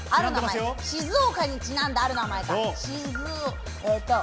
静岡にちなんだ、ある名前か。